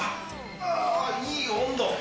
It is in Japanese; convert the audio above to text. あー、いい温度。